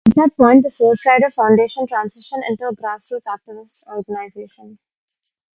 At that point the Surfrider Foundation transitioned into a grassroots activist organization.